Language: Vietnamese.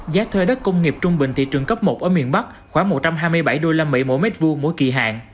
giá thuê đất công nghiệp trung bình thị trường cấp một ở miền bắc khoảng một trăm hai mươi bảy usd mỗi mét vuông mỗi kỳ hạn